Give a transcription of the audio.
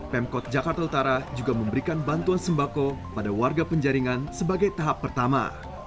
pemkot jakarta utara juga memberikan bantuan sembako pada warga penjaringan sebagai tahap pertama